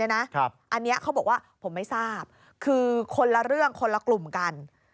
อันนี้เขาบอกว่าผมไม่ทราบคือคนละเรื่องคนละกลุ่มกัน